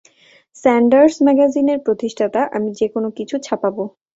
Sanders ম্যাগাজিনের প্রতিষ্ঠাতা, আমি যেকোন কিছু ছাপাবো।